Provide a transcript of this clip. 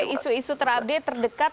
isu isu terupdate terdekat